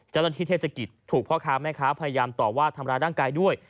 เทศกิจถูกพ่อค้าแม่ค้าพยายามต่อว่าทำร้ายร่างกายด้วย